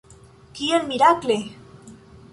Kiel mirakle!